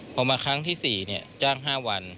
พอมาครั้งที่๔จ้าง๕วัน